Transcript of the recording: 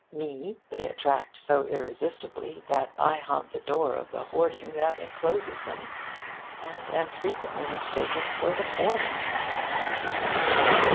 Me they attract so irresistibly that I haunt the door of the hoarding that encloses them, and am frequently mistaken for the foreman.